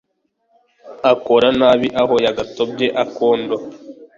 akora nabi aho yagatobye akondo